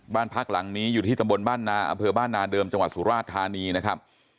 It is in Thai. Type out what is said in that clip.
บ้านพักหลังนี้อยู่ที่ตำบลบ้านนาอำเภอบ้านนาเดิมจังหวัดสุราชธานีนะครับ